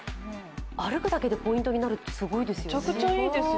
歩くだけでポイントになるってすごいですよね。